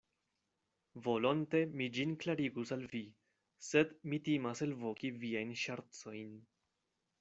Volonte mi ĝin klarigus al vi, sed mi timas elvoki viajn ŝercojn.